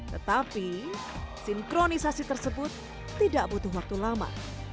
tetapi sinkronisasi tersebut tidak butuh waktu lama